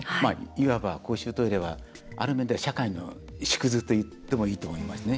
いわば、公衆トイレはある面では社会の縮図といってもいいと思いますね。